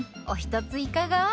おひとついかが？